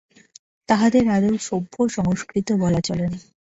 তাহাদের আদৌ সভ্য ও সংস্কৃত বলা চলে না।